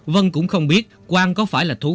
vân cũng không biết quang có phải là thuộc